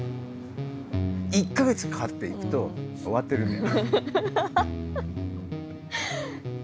１か月かかって行くと終わってるんだよ。